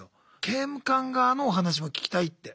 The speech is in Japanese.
刑務官側のお話も聞きたいって。